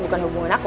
bukan hubungan aku